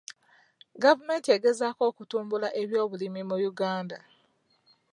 Gavumenti egezaako okutumbula ebyobulimi mu Uganda.